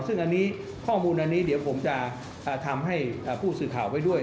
ซึ่งอันนี้ข้อมูลอันนี้เดี๋ยวผมจะทำให้ผู้สื่อข่าวไว้ด้วย